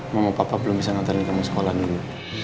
mama papa belum bisa nonton nikah mau sekolah dulu